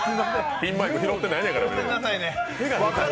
ピンマイク拾ってないのやから。